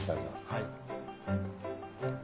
はい。